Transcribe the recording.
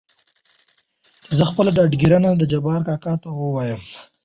چې زه خپله ډاډګرنه جبار کاکا ته ووايم .